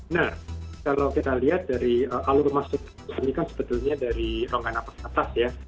nah kalau kita lihat dari alur masuk ini kan sebetulnya dari rongga napas atas ya